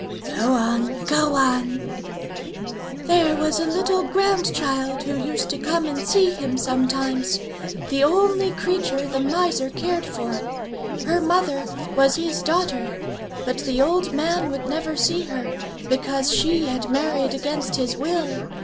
"Go on; go on." "There was a little grandchild who used to come and see him sometimes the only creature the miser cared for. Her mother was his daughter; but the old man would never see her, because she had married against his will.